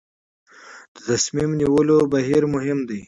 د تصمیم نیولو بهیر مهم دی